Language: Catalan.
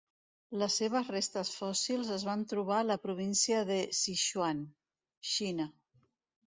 Les seves restes fòssils es van trobar a la província de Sichuan, Xina.